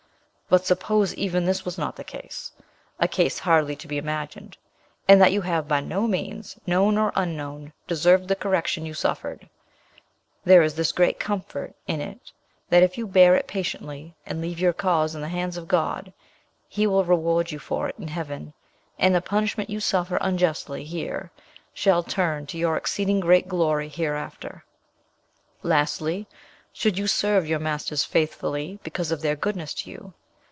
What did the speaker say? But suppose even this was not the case (a case hardly to be imagined), and that you have by no means, known or unknown, deserved the correction you suffered, there is this great comfort in it, that, if you bear it patiently, and leave your cause in the hands of God, he will reward you for it in heaven, and the punishment you suffer unjustly here shall turn to your exceeding great glory hereafter. "Lastly, you should serve your masters faithfully, because of their goodness to you.